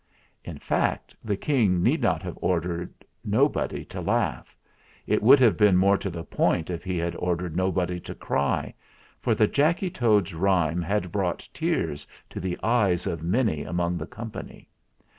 In fact, the King need not have ordered no body to laugh. It would have been more to the point if he had ordered nobody to cry, for the Jacky Toad's rhyme had brought tears to the eyes of many among the company.